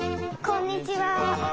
こんにちは。